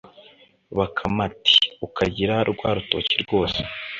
bakame iti: “ukagira rwa rutoki rwose